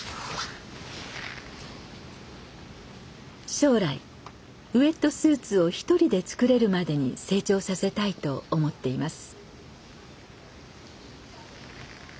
将来ウエットスーツを一人で作れるまでに成長させたいと思っています。